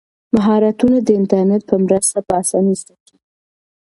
مهارتونه د انټرنیټ په مرسته په اسانۍ زده کیږي.